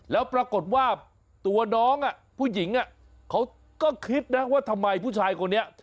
แล้วปรากฏว่าตัวน้องผู้หญิงเขาก็คิดนะว่าทำไมผู้ชายคนนี้